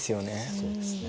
そうですね。